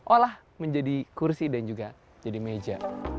oh lah menjadi kursi dan juga jadi meja